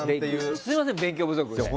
すみません、勉強不足で。